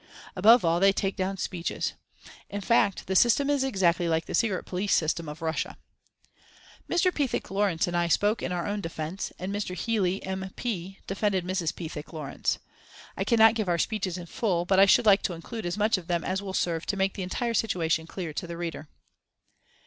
Above all they take down speeches. In fact the system is exactly like the secret police system of Russia. Mr. Pethick Lawrence and I spoke in our own defence, and Mr. Healey M. P. defended Mrs. Pethick Lawrence. I cannot give our speeches in full, but I should like to include as much of them as will serve to make the entire situation clear to the reader.